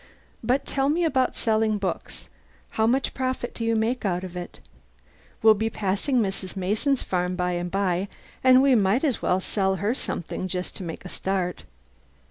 But tell me about selling books. How much profit do you make out of it? We'll be passing Mrs. Mason's farm, by and by, and we might as well sell her something just to make a start."